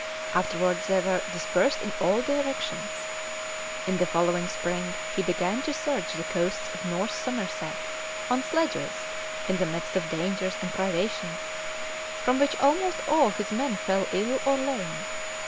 Afterwards they were dispersed in all directions; in the following spring he began to search the coasts of North Somerset on sledges in the midst of dangers and privations from which almost all his men fell ill or lame.